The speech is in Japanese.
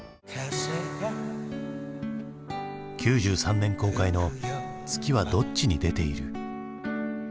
９３年公開の「月はどっちに出ている」。